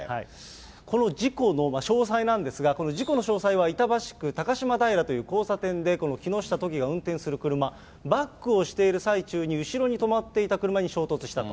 この事故の詳細なんですが、この事故の詳細は、板橋区高島平という交差点で、この木下都議が運転する車、バックをしている最中に、後ろに止まっていた車に衝突したと。